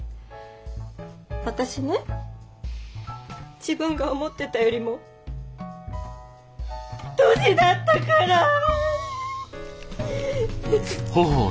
私ね自分が思ってたよりもドジだったから。